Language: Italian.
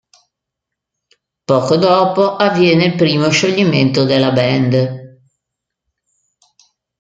Poco dopo avviene il primo scioglimento della band.